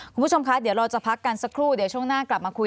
คุณผู้ชมคะเดี๋ยวเราจะพักกันสักครู่เดี๋ยวช่วงหน้ากลับมาคุย